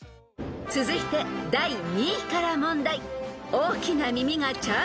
［続いて第２位から問題］